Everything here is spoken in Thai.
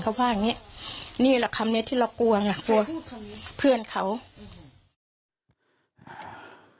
เขาว่าอย่างงี้นี่แหละคำเนี้ยที่เรากลัวไงกลัวเพื่อนเขาอืม